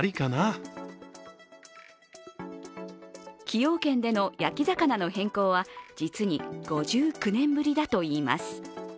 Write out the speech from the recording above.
崎陽軒での焼き魚の変更は実に５９年ぶりだといいます。